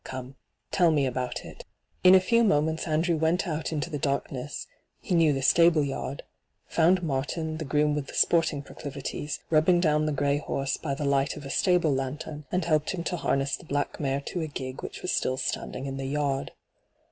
Come, tell me all about it.* In a few moments Andrew went out into the darkness — he knew the stable yard — found Martin, the groom with the sporting pro clivities, rubbing down the gray horse by the light of a stable lantern, and helped him to harness the black mare to the gig which was still standing in the yard.